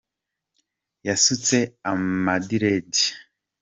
Yasutse amadiredi.